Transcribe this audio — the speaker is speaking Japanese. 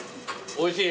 おいしい？